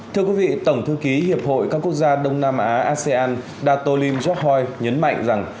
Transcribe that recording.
thưa quý vị tổng thư ký hiệp hội các quốc gia đông nam á asean datolym jokhoi nhấn mạnh rằng